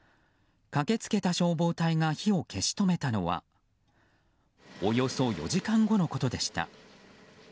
駆け付けた消防隊が火を消し止めたのはおよそ４時間後のことでした。